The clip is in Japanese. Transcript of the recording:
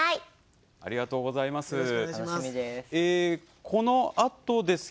ありがとうございます。